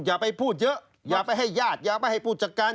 อย่าไปพูดเยอะอย่าไปให้ญาติอย่าไปให้ผู้จัดการ